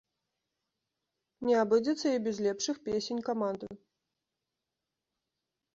Не абыдзецца і без лепшых песень каманды!